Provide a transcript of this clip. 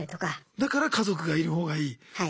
だから家族がいるほうがいい。